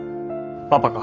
パパか。